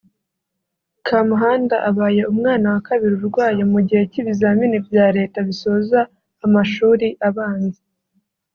Kamuhanda abaye umwana wa kabiri urwaye mu gihe cy’ibizamini bya leta bisoza amashuri abanza